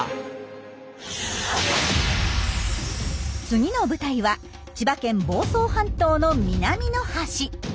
次の舞台は千葉県房総半島の南の端。